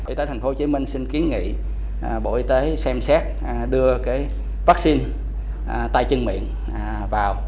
y tế tp hcm xin kiến nghị bộ y tế xem xét đưa vaccine tay chân miệng vào